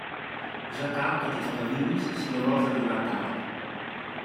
Ja cal que t'espavilis si no vols arribar tard.